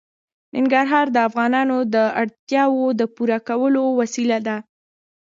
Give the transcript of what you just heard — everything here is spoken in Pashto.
ننګرهار د افغانانو د اړتیاوو د پوره کولو وسیله ده.